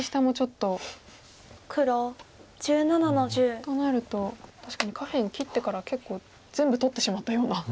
となると確かに下辺切ってから結構全部取ってしまったような。